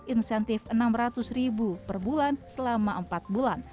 insentif rp enam ratus per bulan selama empat bulan